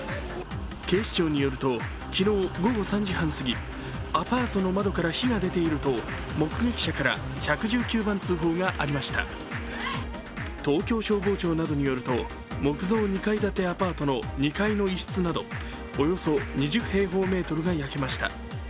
警視庁によると、昨日午後３時半すぎ、アパートの窓から火が出ていると、目撃者から１１９番通報がありました東京消防庁などによると木造２階建てアパートの２階の一室などおよそ２０平方メートルが焼けました。